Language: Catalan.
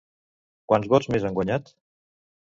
Quants vots més han guanyat?